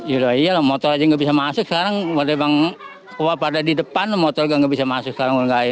yaudah iyalah motor aja gak bisa masuk sekarang motor emang wah pada di depan motor gak bisa masuk sekarang